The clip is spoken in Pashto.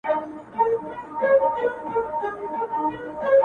• دا انجلۍ بلا ته فريادي وركــوي تـــا غــــواړي ـ